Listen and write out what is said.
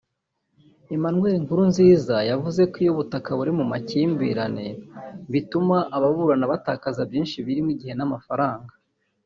Emmanuel Nkurunziza yavuze ko iyo ubutaka buri mu makimbirane bituma ababuburana batakaza byinshi birimo igihe n’amafaranga